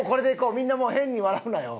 みんなもう変に笑うなよ。